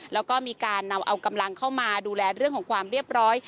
แล้วก็มีการนำเอากำลังเข้ามาดูแลเรื่องของความเรียบร้อย